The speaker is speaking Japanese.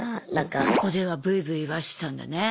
そこではブイブイ言わせてたんだね。